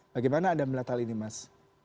bagaimana anda melihat hal ini mas